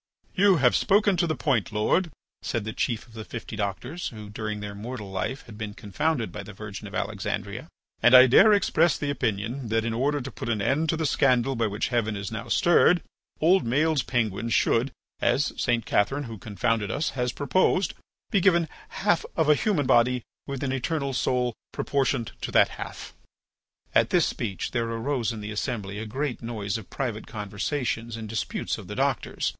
"You have spoken to the point, Lord," said the chief of the fifty doctors, who, during their mortal life had been confounded by the Virgin of Alexandria, "and I dare express the opinion that, in order to put an end to the scandal by which heaven is now stirred, old Maël's penguins should, as St. Catherine who confounded us has proposed, be given half of a human body with an eternal soul proportioned to that half." At this speech there arose in the assembly a great noise of private conversations and disputes of the doctors.